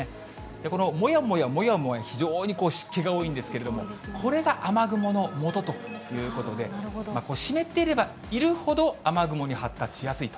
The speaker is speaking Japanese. このもやもやもやもや、非常に湿気が多いんですけれども、これが雨雲のもとということで、湿っていればいるほど雨雲に発達しやすいと。